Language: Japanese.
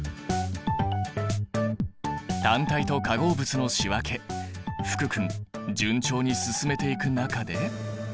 単体と化合物の仕分け福君順調に進めていく中で。